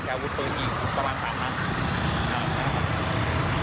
ตกใจตกใจเพราะมันดังแรงมากเลยนะ